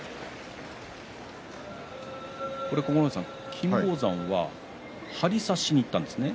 金峰山は張り差しにいったんですね。